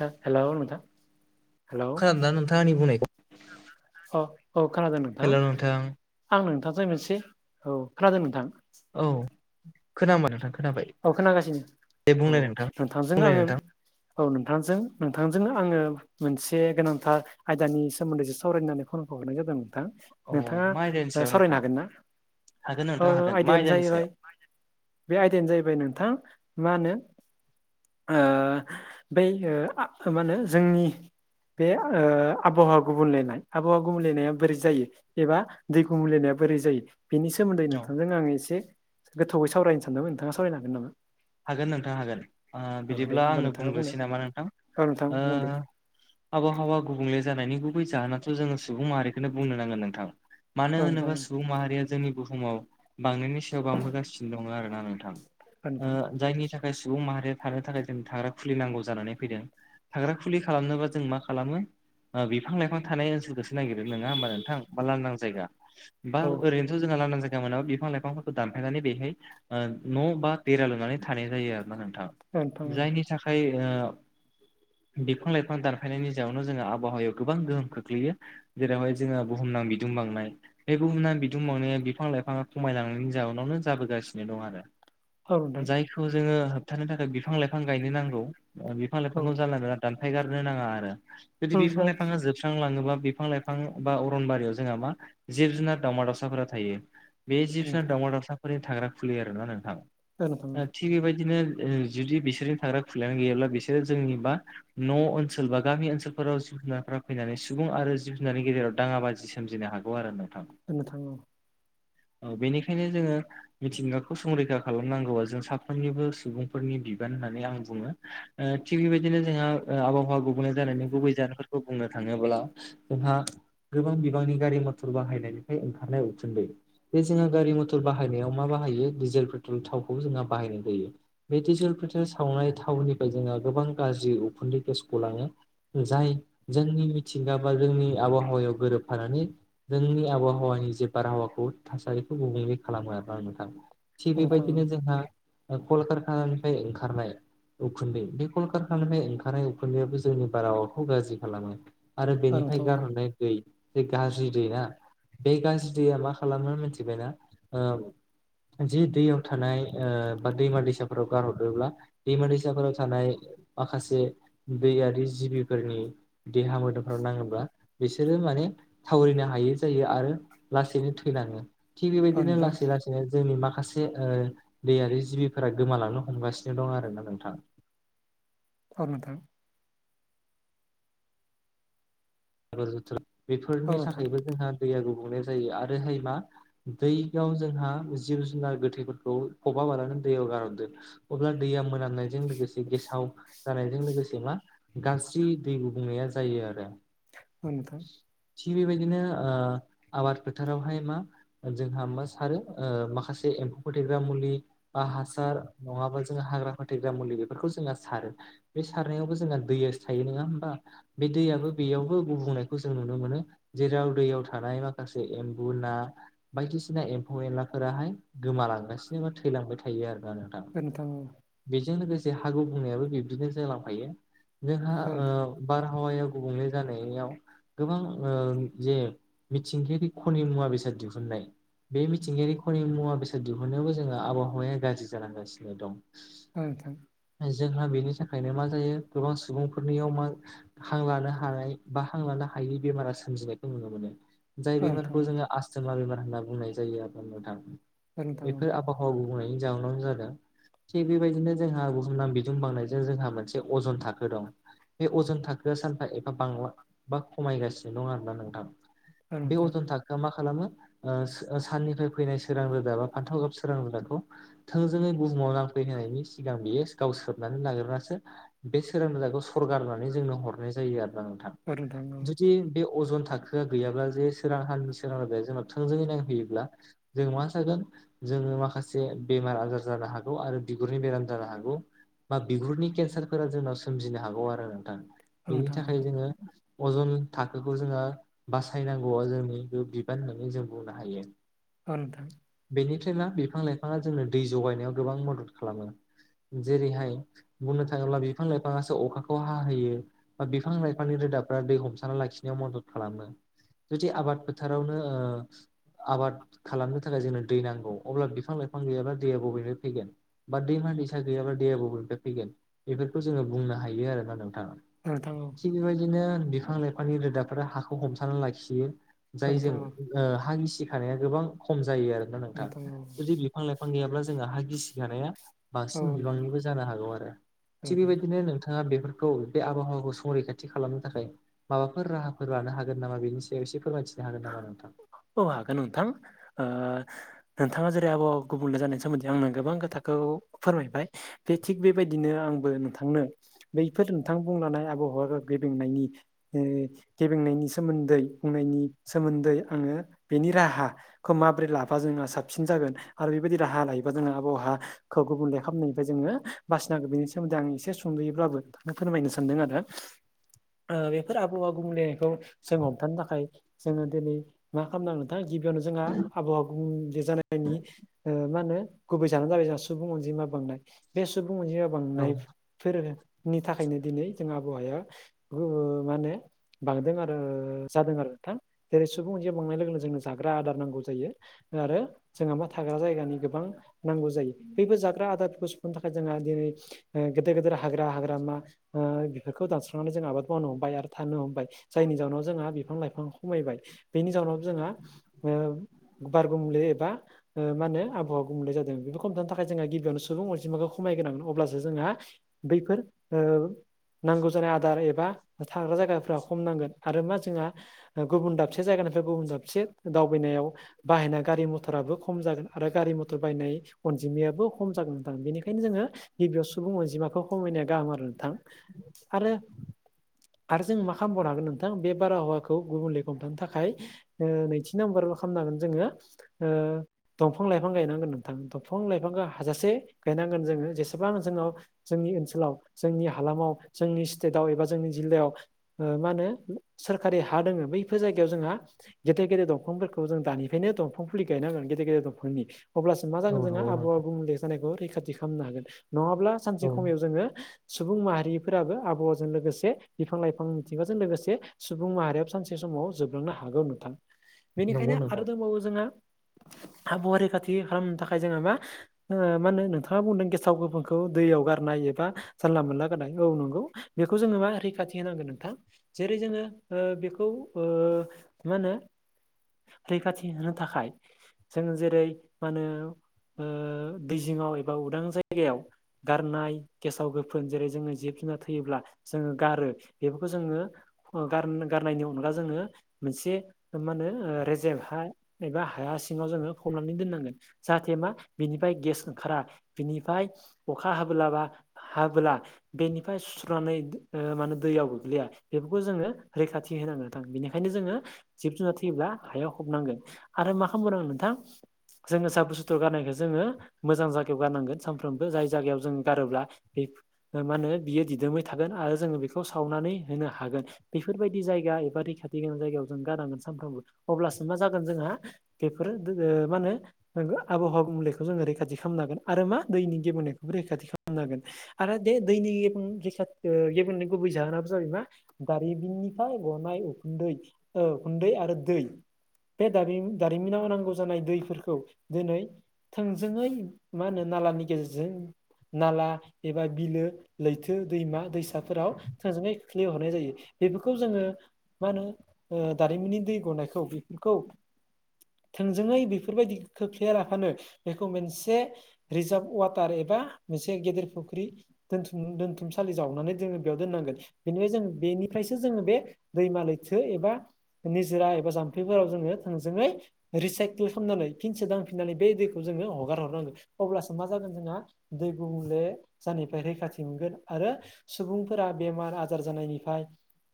Hello नोंथां hello खोनादोंना नोंथाङा आंनि बुंनायखौ औ औ खोनादों नोंथां आं नोंथांजों मोनसे औ खोनादों नोंथां। औ खोनाबाय नोंथां खोनाबाय। औ खोनागासिनो दे औ बुंलाय नोंथां नोंथांजों बुंलाय आङो नोंथां औ नोंथांजों नोंथांजोंनो आङो मोनसे गोनांथार आयदानि सोमोनदै सावरायनो होननानै फनखौ हरनाय जादों नोंथां औ नोंथांङा मा आयदानि सायाव सावरायनो नोंथां हागोन ना हागोन ओ नोंथां हागोन मा आयदायानो आयदानि जाहैबाय सायाव बे आयदायानो जाहैबाय नोंथां मा होनो ओ बै मा होनो जोंनि बे आबाहावा गुबुंलायनाय आबाहावा गुबलायनाया बोरै जायो एबा दैखौ गुबुंलेनाया बोरै जायो बेनि सोमोन्दै औ नोंथांजों आंङो एसे गोथौयै सावरायनो सानदोंमोन नोंथांङा सावरायनो हागोन नामा? हागोन नोंथां हागोन ओ औ दे बिदिब्ला होमबा आंनो नोंथाङा बुंनो बुंग्रोसै नामा नोंथां औ नोंथां ओ बुंदो। आबहावा गुबुंले जानायनि गुबै जाहोनाथ' जोंङो सुबुं माहारिखौनो बुंनो नांगोन नोंथां मानो औ नोंथां होनोबा औ। सुबुं माहारिया जोंनि बुहुमाव बांनायनि सायाव बांबोगासिनो दंङो आरोना नोंथां ओ नोंथां जायनि थाखाय सुबुं माहारिया थानो थाखाय जों थाग्रा खुलि नांगौ जानानै फैदों थाग्रा खुलि खालामनोबा जों मा खालामो बिफां लाइफां थानाय ओनसोलखौसो नागिरो नंङा होनबा नोंथां बा लांदां जायगा बा औ ओरैनो आरो जोंहा लानदां जाया मोना बिफां लाइफांफोरखौ दानफायनानै बेहाय न' बा बेरा लुनानै थानाय जायो आरोना नोंथां औ नोंथां औ जायनि थाखाय ओ बिफां लाइफां दानफायनायनि जाउनाव जोङो आबहावायाव गोबां गोहोम खोख्लैयो जेरावहाय जोंहा बुहुमनां बिदुं बांनाय बे बुहुमनां बिदुं बांनाया बिफां लाइफांङा खमायलांनायनि जाउनावनो जाबोगासिनो दं आरो औ नोंथां जायखौ जोंङो होबथानो थाखाय बिफां लाइफां गायनो नांगौ बिफां औ लाइफांखौ जानला मोनला दानफायगारनो नांङा आरो औ नोंथां औ जुदि बिफां नोंथां लाइफांङा जोबस्रां जोबस्रांलांङोबा बिफां लाइफां बा अरनबारियाव जोंहा मा जिब जुनार दावमा दावसाफोरा थायो बे जिब जुनार दावमा दावसाफोरनि थाग्रा खुलि आरोना नोंथां [unintelligible] थिग बेबायदिनो जुदि बिसोरजों थाग्रा खुलिायानो गैयाब्ला बिसोरो जोंनि बा न' ओनसोल बा गामि ओनसोलफोराव जिब जुनारफोरा फैनानै सुबुं आरो जिब जुनारनि गेजेराव दांङा बाजि सोमजिनो हागौ नंगौ आरो नोंथां औ नोंथां औ औ बेनिखायनो जोंङो मिथिंगाखौ संरैखा खालाम नांगौआ जों साफ्रोमनिबो सुबुंफोरनि बिबान होननानै आं बुंङो ओ थिग बेबायदिनो जोंहा ओ आबाहावा गुबुंले जानायनि गुबै जाहोनफोरखौ बुंनो थांङोब्ला जोंहा गोबां बिबांनि गारि मथर बाहायनायनिफ्राय ओंखारनाय उखुनदै बेे जोंहा गारि मथर बाहायनायाव मा बाहायो डिजेल पेट्रल थावखौ जोंहा बाहायनाय जायो। बे दिजल पेट्रल सावनाय थावनिफ्राय जोंङो गोबां गाज्रि उखुन्दै गेस गलांङो। जाय जोंनि मिथिंगा बा जोंनि आबहावायाव गोरोबफानानै जोंनि आबहावानि जे बारहावाखौ थासारिखौ गुबुंले खालामो आरो ना नोंथां। थिग बेबायदिनो औ जोंहा कलकारखानानिफ्राय ओंखारनाय उखुन्दै बे कलकारखानानिफ्राय ओंखारनाय उखुन्दैयाबो जोंनि बारहावाखौ गाज्रि खालामो। आरो बेनिफ्राय गारहरनाय दै बे गाज्रि दैया बे गाज्रि दैया मा खालामो मिथिबायना? जि दैयाव थानाय ओ बा दैमा दैसाफोराव गारहरदोंब्ला दैमा दैसाफोराव थानाय माखासे दैयारि जिबिफोरनि देहा मोदोमफोराव नांङोब्ला बिसोरो माने थावरिनो हायै जायो आरो लासैनो थैलाङो थिग औ बेबायदिनो नोंथां लासै लासैनो जोंनि माखा खासे दैयारि जिबिफोरा गोमालांनो हमगासिनो दं आरोना नोंथां। औ नोंथां [unintelligible] औ बेफोरनि थाखायबो जोंहा दैया गुबुंनाय जायो आरोहाय मा दैयाव जोंहा जिब जुनार गोथैफोरखौ फबाबालानो दैयाव गारहनदों अब्ला दैैया मोनाम नायजों लोगोसे गेसाव जानायजों लोगोसे मा गाज्रि दै गुबुंनाया जायो आरो। औ नोंथां थिग बेबायदिनो ओ आबाद फोथारावहाय मा जोंहा मा सारो ओ माखासे एम्फौ फोथैग्रा मुलि बा हासार नङाबा जोङो हाग्रा फोथैग्रा मुलि बेफोरखौ जोङो सारो। बे सारनायावबो जोंया दैयासो थायो नङा होमबा बे दैयाबो बेयावबो गुबुंनाय खौ जों नुनो मोनो जेराव दैयाव थानाय माखासे एम्बु ना बायदिसिना एम्फौ एनलाफोराहाय गोमालांगासिनो थैलांबाय थायो आरोना नोंथां। नोंथां ओं बेजों लोगोसे हा गुबुंनायाबो बिब्दिनो जालांफायो। जोंहा औ नोंथां औ नोंथां औ नोंथां औ नोंथां ओ बारहावायाव गुबुंले जानायाव गोबां ओ जे मिथिंगायारि खनि मुवा बेसाद दिहुननाय बे मिथिंगायारि खनि मुवा बेसाद दिहुननायावबो जोंहा आबहावाया गाज्रि जालांगासिनो दं। औ नोंथां जोंहा बेनि थाखायनो मा जायो गोबां सुबुंफोरनियाव मा हां लानो हानाय बा हां लानो हायिनि बेमारा सोमजिनायखौ नुनो मोनो। जाय औ नोंथां बेमारखौ औ जोंङो आसस्तमा बेमार होनना बुंनाय जायो आरो नोंथां औ नोंथां औ बेफोर आबादखौ आबहावा गुबुंनायनि जाहोनावानो जादों थिग बेबायदिनो जोंहा बुहुमनां बिदुं बांनायजों जोंहा मोनसे अजन थाखो दं बे अजन थाखोआ सानफा एफा बांला बा खमायगासिनो दं आरोना नोंथां। औ बे नोंथां अजन था खोआ मा खालामो ओ साननिफ्राय फैनाय सोरां रोदा बा फान्थाव गाब सोरां रोदाखौ थोंजोङै बुहुमाव नांफैनायनि सिगां बेयो गाव सोबनानै लाग्रोनासो बे सोरां रोदाखौ सरगारनानै जोंनो हरनाय जायो आरोना नोंथां। औ औ जुदि बे अजन थाखो आं गैयाब्ला जे सोरां हाननि सोरां रोदाया जोंनाव थोंजोङै नांफैयोब्ला जों मा जागोन जोङो माखासे बेमार आजार जानो हागौ आरो बिगुरनि बेराम जानो हागौ बा बिगुरनि केन्सारफोरा जोंनाव सोमजिनो हागौ आरो नोंथां। औ बेनि नोंथां औ थाखाय जोङो अजन थाखोखौ जोङो बासायनांगौआ जोंनि बिबान होननानै जों बुंनो हायो। औ नोंथां बेनिफ्रायनो बिफां लाइफाङा जोंनो दै जगायनायाव गोबां मदद खालामो। जेरैहाय बुंनो थाङोब्ला बिफां लाइफाङासो अखाखौ हाहोयो। बा बिफां लाइफांनि रोदाफ्रा दै हमथाना लाखिनायाव मदद खालामो। जुदि आबाद फोथारावनो ओ आबाद खालामनो थाखाय जोंनो दै नांगौ अब्ला बिफां लाइफां गैयाब्ला दैया बबेनो फैगोन। बा दैमा दैसा गैयाब्ला दैया बबेनिफ्राय फैगोन बेफोरखौ जोङो बुंनो हायो आरोना नोंथां। औ नोंथां औ। थिग बेबायदिनो बिफां लाइफांनि रोदाफोरा हाखौ हमथानानै लाखियो औ नोंथां औ जायजों नोंथां औ हा गिसिखानाया गोबां खम जायो आरो ना नोंथां जुदि फां लाइफां गैयाब्ला जोंहा गिसिखानाया। औ बांसिन बिबांनिबो जानो हागौ आरो थिग नोंथां बेबायदिनो नोंथाङा बेफोर खौ बे आबहावाखौ संरैखाथि खालामनो थाखाय माबाफोर राहाफोर लानो हागोन नामा बेनि सायाव एसे फोरमायथिनो हागोन नामा नोंथां। औ हागोन नोंथां ओ नोंथाङा जेरै आबहावा गुबुंले जानायनि सोमोन्दै आंनो गोबां खोथाखौ फोरमायबाय बे थिग बेबायदिनो आंबो नोंथांनो बैफोर नोंथां बुंलानाय आबहावा गेब्रेंनायनि गेब्रेंनायनि सोमोन्दै बुंनायनि सोमोन्दै आङो बेनि राहा खौ माबोरै लाबा जोंहा साबसिन जागोन आरो बेबायदि राहा लायोबा जोंहा आबहावहा खौ गुबुन लेखानायनिफ्राय जोङो बासिनांगोन बेनि सोमोन्दै आं एसे सुंदैयोब्लाबो ननो फोरमायनो सानदों आरो। ओ बेफोर आबहावा गुबुंलेनायखौ जों हमथानो थाखाय जोङो दिनै मा खालामनांगोन नोंथां गिबियावनो जोंहा आबहावा गुबुंले जानायनि मा होनो गुबै जानो जाबाय जोंहा सुबुं अनजिमा बांनाय बे सुबुं अनजिमा बांनाय। औ फोरनि थाखायनो दिनै जों आबहावाया माने बांदों आरो जादों आरो ना जेरै सुबुं जि बांनाय लोगोन लोगो जोंनो जाग्रा आदार नांगौ जायो आरो। जोंहा मा थाग्रा जायगानि गोबां नांगौ जायो बैबो जाग्रा आदारफोरखौ सुफुंनो थाखाय जोंहा दिनै गेदेर गेदेर हाग्रा हाग्रामा बेफोरखौ दानस्रांनानै जों आबाद मावनो हमबाय आरो थानो हमबाय जायनि जाउनाव जोंहा बिफां लाइफां खमायबाय बेनि जाउोनाव जोंहा बारग' मुलि एबा म होन आहा गुबखौ मोनलाय जादों बेखौ खमथानो थाखाय जोंहा गिबियावनो सुबुं अनजिमाखौ खमायगोनांगोन अब्लासो जोंहा बैफोर नांगौ जानाय आदार एबा थाग्रा जायगाफोरा खम नांगोन आरो मा जोंहा गुबुन दाबसे जायगानिफ्राय गुबुन दाबसे दावबायनायाव बाहायना गारि मथराबो खम जागोन आरो गारि मथर बाहायनाय अनजिमायाबो खम जागोन नथां बेनिखायनो जोङो गिबियाव सुबुं अनजिमाखौ खमायनाया गाहाम आरो नोंथां आरो। आरो जों मा खालामबावनो हागोन नोंथां बे बारहावाखौ गुबुंले हमथानो थाखाय नैथि नाम्बार खालामनांगोन जोङो दंफां लाइफां गायनांगोन नोंथां दंफां लाइफांखौ हाजासे गायनांगोन जोङो जेसेबां जोंनाव जोंनि ओनसोलाव जोंनि हालामाव जोंनि स्टेटआव एबा जोंनि जिल्लायाव मा होनो सोरखारि हा दोङो बैफोर जायगायाव जोंहा गेदेर गेदेर दंफांफोरखौ जों दानिफ्रायनो दंफां फुलि गायनांगोन गेदेर गेदेर दंफांनि अब्लासो मा औ जागोन जोङो नंगौ आबहावा नोंथां गुबुंले जानायखौ रैखाथि खालामनो हागोन नङाब्ला सानसे समाव औ जोङो सुबुं माहारिफोराबो आबहावाजों लोगोसे बिफां लाइफां मिथिंगाजों लोगोसे सुबुं माहारिया सानसे समाव जोबलांनो हागौ नोंथां नंगौ बेनिखायनो आरो नोंथां दंबावो जोंहा आबहावा रैखाथि खालामनो थाखाय जोङो मा मा होनो नोंथाङा बुंदों गेसाव गोफोनखौ दैयाव गारनाय एबा जानला मोनला गारनाय औ नंगौ। बेखौ जोङो मा रैखाथि होनांगोन नोंथां जेरै जोङो बेखौ खौ मा होनो रैखाथि होनो थाखाय जों जेरै मा होनो दैजिङआव एबा उदां जायगायाव गारनाय गेसाव गोफोन जेरै जोङो जिब जुनार थैयोब्ला जोङो गारो बेफोरखौ जोङोार गारनायनि अनगा जोङो मोनसे मा होनो रेजेभ हा एबा हाया सिङाव जोङो हमनानै दोननांगोन जाहाथे मा बिनिफ्राय गेस ओंखारा बिनिफ्राय अखा हाबोलाबा हाबोला बेनिफ्राय सुस्रनानै मान दैयाव गोग्लैया बेफोरखौ जोङो रैखाथि ख होनांगो बेनिखायनो जोङो जिब जुनार थैयोब्ला हायाव हबनांगोन आरो मा खालामगोन आं नोंथां जोङो जा बुसथु गारनायखौ जोङो मोजां जायगायाव गारनांगोन सानफ्रोमबो जाय जायगायाव जों गारोब्ला बे मा होनो बियो दिदोमबाय थागोन आरो जोङो बेखौ सावनानै होनो हागोन बेफोरबायदि जायगा एबा रैखाथि गोनां जायगायाव जों गानांगोन सानफ्रामबो अब्लासो मा जागोन जोंहा बेफोरो मा होनो आबहावा मुलिायखौ जोङो रैखाथि खालामनांगोन आरो मा दैनि गेबोननायखौबो रैखाथि खालामनो हांगोन आरो दे दैनि गेबनि गुबै जाहोनाबो जाबाय मा दारिमिन गथाय गनाय उखुन्दै उखुन्दै आरो दै बे दा दारिमिनाव नांगौ जानाय दैफोरखौ दिनै थोंजोङै मा होनो नालानि गेजेरजों नाला एबा बिलो लैथो दैमा दैसाफोराव थोंजोङै खोललिहरनाय जायो बे खौ जोङो मा होनो दारिमिननि दै गनायखौ बेफोरखौ थोंजोङै बेफोरबायदि खोख्लैया लाफानो बेखौ मोनसे रिजार्भ वाटार एबा मोनसे गेदेर फुख्रि दोनथुम दोनथुमसालि जावनानै जोङो बेयाव दोननांगोन बेनिफ्राय जों बेनिफ्रायसो जोङो बे दैमा लैथो एबा निजोरा एबा जाम्फैफोराव जोङो थोंजोङै रिसाइकेल खालामनानै फिन सोदांफिननानै बे दैखौ जोङो हगार हरनांगोन अब्लासो मा जागोन जोंहा दै गुबुंले जानायनिफ्राय रैखाथि मोनगोन आरो सुबुंफोरा बेमार आजार जानायनिफ्राय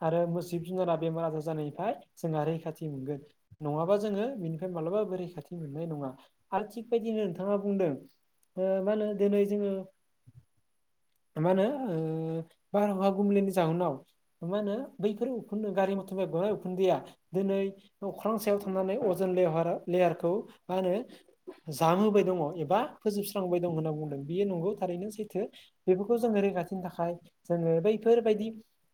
आरो जिब जुनारा बेमार आजार जानायनिफ्राय जोंहा रैखाथि मोनगोन नङाबा जोङो बेनि फ्राय मालाबाबो रैखाथि मोननाय नङा आरो थिग बेदिनो नोंथाङा बुंदों ओ मा होनो दिनै जोङो मा होनो बारहावा गुबुंलेनि जाहोनाव मा होनो बैफोर उखन गारि मथर गाय उखुन्दैया दिनै अख्रां सायाव थांनानै अ जों लेहारा लेहारखौ मा होनो जामहोबाय दङ एबा फोजोबस्रांहोबाय दङ होनना बुंदों बियो नंगौ थारैनो सैथो बेफोरखौ जोङो रैखाथिनि थाखाय जोङो बैफोरबायदि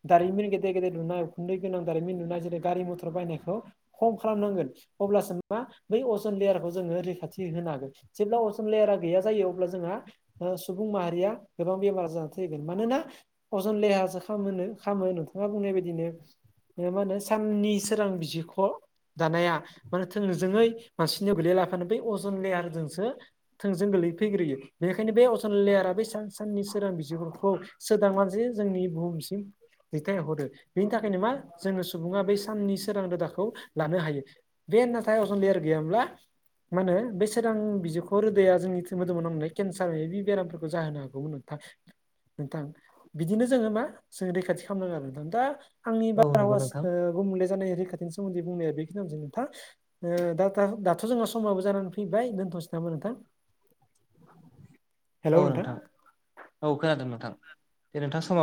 दारिमिन गेदेर गेदेर लुनाय उखुन्दै गोनां दारिमिन नुनाय जेरै गारि मथर बायनायखौ खम खालामनांगोन अब्लासो मा बै अजन लेयारखौ जोङो रैखाथि होनो हागोन जेब्ला अजम लेहारा गैया जायो अब्ला जोंहा सुबुं माहारिया गोबां बेमार जानानै थैगोन मानोना अजन लेहासो खामोनो खामो नोंथाङा बुंनाय बायदिनो मा होनो साननि सोरां बिजिरखौ दानाया माने थोंजोङै मानसिनियाव गोैलैया लाखिनो बै अजन लेहारजोंसो थोंजों गोलै फैग्रोयो बेनिखायनो बे अजन लेयारा बै सान साननि सोरां बिजोंफोरखौ सोदांनानै जि जोंनि बुहुमसिम दैथायहरो बेनि थाखायनो मा जोंङो सुबुङा बै साननि सोरां रोदाखौ लानो हायो बे नाथाय अजन लेयार गैया मोनब्ला मा होनो बे सोरां बिजौखौ रोदाया जोंनि मोदोम मोनांलाय केन्सार बे बेरामफोरखौ जाहोनो हागौनो नोंथां बिदिनो जोङो मा जों रैखाथि खामनांगो आरो नोंथां दा आंनि औ नंगौ बारहावा नोंथां गुबुंले जानाय रैखाथिनि सोमोन्दै बुंनाया बेखिनियावनो जोबो नोंथां दाथ' जोंना समाबो जानानै फैबाय दोनथ'नोसै नामा नोंथां [inaudible] औ नोंथां औ खोनादों नोंथां दे नोंथां समा